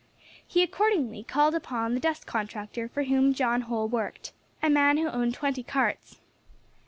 He accordingly called upon the dust contractor for whom John Holl worked, a man who owned twenty carts.